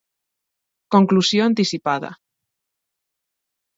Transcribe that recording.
Conclusió anticipada